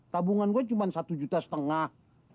tabungan gue cuma satu juta setengah